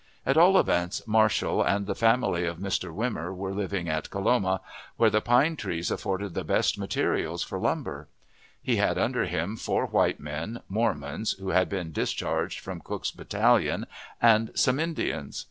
At all events, Marshall and the family of Mr. Wimmer were living at Coloma, where the pine trees afforded the best material for lumber. He had under him four white men, Mormons, who had been discharged from Cooke's battalion, and some Indians.